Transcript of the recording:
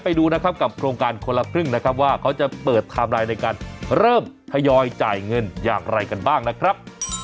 ไปดูนะครับกับโครงการคนละครึ่งนะครับว่าเขาจะเปิดไทม์ไลน์ในการเริ่มทยอยจ่ายเงินอย่างไรกันบ้างนะครับ